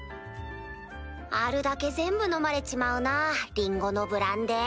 あるだけ全部飲まれちまうなりんごのブランデー。